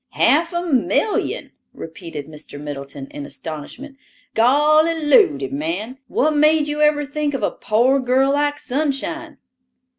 "Half a million!" repeated Mr. Middleton in astonishment. "Golly ludy, man, what made you ever think of a poor girl like Sunshine?"